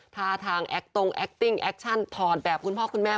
ท่าทางแอคตรงแคคติ้งแอคชั่นถอดแบบคุณพ่อคุณแม่